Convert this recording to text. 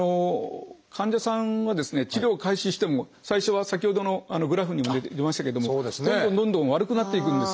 患者さんは治療を開始しても最初は先ほどのグラフにも出ましたけれどもどんどんどんどん悪くなっていくんですよ。